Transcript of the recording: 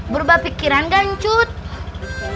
berubah pikiran gak cucu